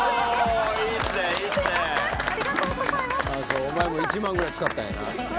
お前も１万ぐらい使ったんやな。